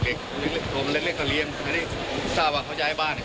การลาดเขียนอุปสรรคกฎแบบต้น